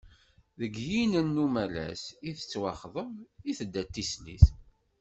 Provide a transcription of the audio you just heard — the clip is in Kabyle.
Deg yinen n umalas i tettwaxḍeb, i tedda d tislit.